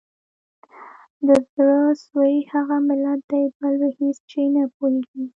د زړه سوي هغه ملت دی بل په هیڅ چي نه پوهیږي